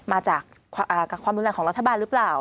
มาจากความรุนแรงของรัฐบาลหรือเปล่า